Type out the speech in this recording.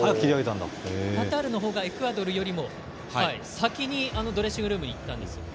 カタールの方がエクアドルよりも先にドレッシングルームに行ったんですね。